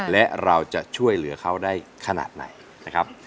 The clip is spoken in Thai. และเราจะช่วยเหลือเขาได้ขนาดไหนนะครับ